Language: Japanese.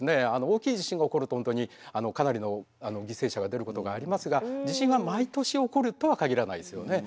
大きい地震が起こると本当にかなりの犠牲者が出ることがありますが地震が毎年起こるとは限らないですよね。